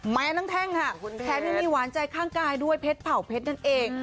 แม้ทั้งแท่งค่ะแถมยังมีหวานใจข้างกายด้วยเพชรเผ่าเพชรนั่นเอง